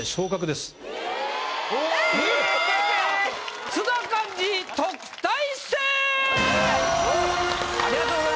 すごい。